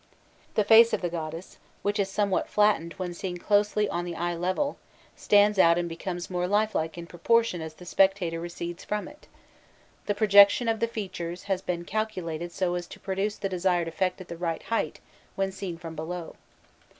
The face of the goddess, which is somewhat flattened when seen closely on the eye level, stands out and becomes more lifelike in proportion as the spectator recedes from it; the projection of the features has been calculated so as to produce the desired effect at the right height when seen from below.